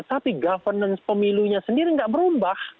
tapi governance pemilunya sendiri nggak berubah